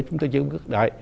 chúng ta chứ không cứ đợi